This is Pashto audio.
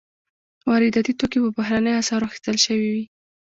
وارداتي توکي په بهرنیو اسعارو اخیستل شوي وي.